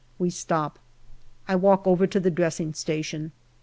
We stop. I walk over to the dressing station.